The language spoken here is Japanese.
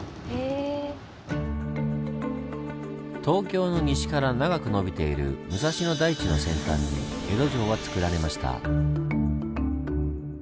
東京の西から長くのびている武蔵野台地の先端に江戸城はつくられました。